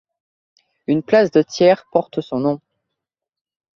Une place de Thiers porte son nom.